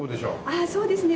あっそうですね。